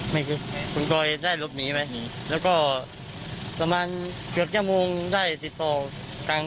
ไม่เคยคุณก่อเอ็ดได้รถหนีไว้แล้วก็ประมาณเกือบแก้มวงได้สิทธิ์ต่อกัง